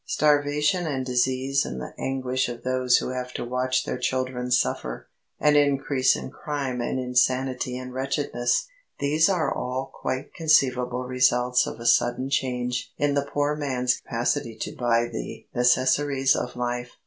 Starvation and disease and the anguish of those who have to watch their children suffer, an increase in crime and insanity and wretchedness these are all quite conceivable results of a sudden change in the poor man's capacity to buy the necessaries of life.